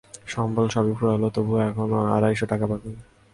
সম্বল সবই ফুরোল তবু এখনো আড়াইশো টাকা বাকি।